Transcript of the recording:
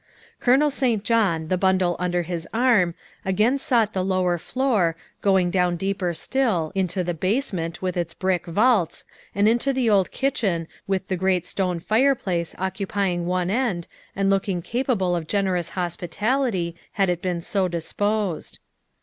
Colonel St. John, the bundle under his arm, again sought the lower floor, going down deeper still, into the basement, with its brick vaults, and into the old kitchen, with the great stone fireplace occupying one end and looking capable of generous hospitality had it been so disposed.